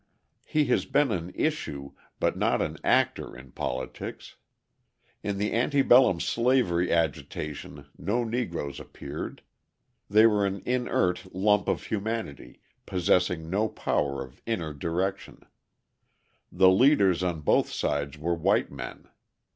He has been an issue, but not an actor in politics. In the ante bellum slavery agitation no Negroes appeared; they were an inert lump of humanity possessing no power of inner direction; the leaders on both sides were white men.